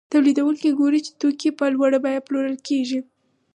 تولیدونکي ګوري چې توکي په لوړه بیه پلورل کېږي